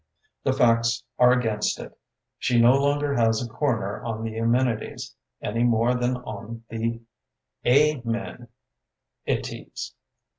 The facts are against it. She no longer has a comer on the amenities; any more than on the amen — ities.